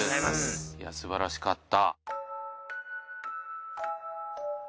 いやすばらしかった。